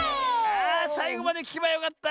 あさいごまできけばよかった！